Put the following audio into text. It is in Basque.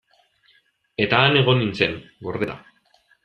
Eta han egon nintzen, gordeta.